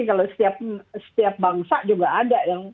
kalau setiap bangsa juga ada yang